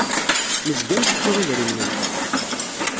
Nezga nttettu idrimen-nteɣ.